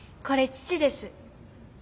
これ父です。